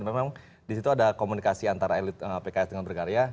memang disitu ada komunikasi antara elit pks dengan berkarya